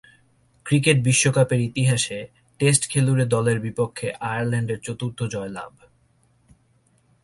Cricket বিশ্বকাপের ইতিহাসে টেস্টখেলুড়ে দলের বিপক্ষে আয়ারল্যান্ডের চতুর্থ জয়লাভ।